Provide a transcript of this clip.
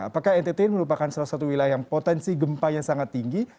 apakah ntt merupakan salah satu wilayah yang potensi gempanya sangat tinggi